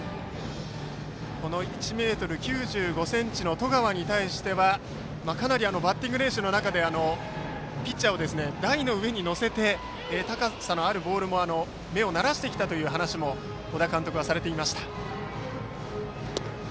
１ｍ９５ｃｍの十川に対してはかなりバッティング練習の中でピッチャーを台の上に乗せて高さのあるボールに目を慣らしてきたという話を小田監督はされていました。